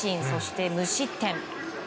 そして無失点。